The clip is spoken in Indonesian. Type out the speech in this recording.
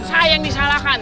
saya yang disalahkan